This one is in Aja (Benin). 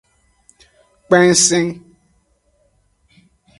Kpensen.